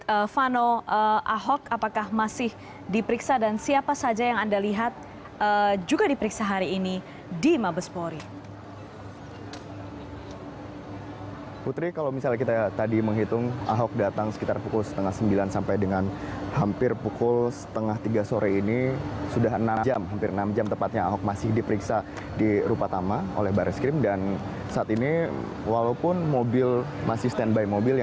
silvano ahok apakah masih diperiksa dan siapa saja yang anda lihat juga diperiksa hari ini